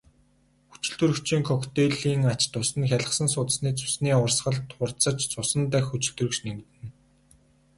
Хүчилтөрөгчийн коктейлийн ач тус нь хялгасан судасны цусны урсгал хурдсаж цусан дахь хүчилтөрөгч нэмэгдэнэ.